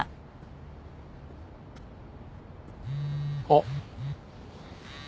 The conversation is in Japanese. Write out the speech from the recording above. あっ。